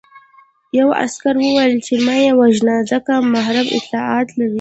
یوه عسکر وویل چې مه یې وژنه ځکه محرم اطلاعات لري